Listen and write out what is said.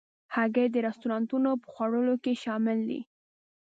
هګۍ د رستورانتو په خوړو کې شامل ده.